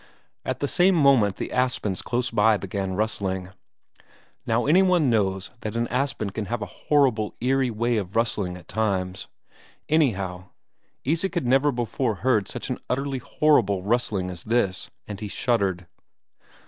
At the same moment the aspens close by began rustling. Now any one knows that an aspen can have a horrible eerie way of rustling at times; anyhow, Isak had never before heard such an utterly horrible rustling as this, and he shuddered.